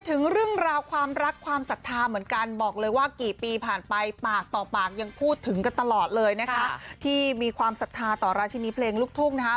ถึงเรื่องราวความรักความศรัทธาเหมือนกันบอกเลยว่ากี่ปีผ่านไปปากต่อปากยังพูดถึงกันตลอดเลยนะคะที่มีความศรัทธาต่อราชินีเพลงลูกทุ่งนะคะ